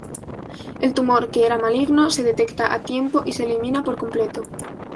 El tumor que era maligno se detecta a tiempo y se elimina por completo.